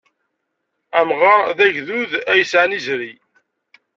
Amɣar d agrud ay yesɛan izri.